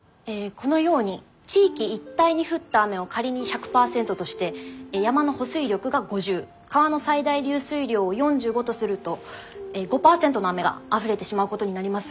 このように地域一帯に降った雨を仮に１００％として山の保水力が５０川の最大流水量を４５とすると５％の雨があふれてしまうことになります。